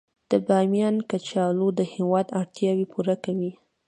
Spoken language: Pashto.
د بامیان کچالو د هیواد اړتیا پوره کوي